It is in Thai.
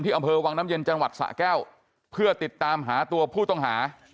อำเภอวังน้ำเย็นจังหวัดสะแก้วเพื่อติดตามหาตัวผู้ต้องหา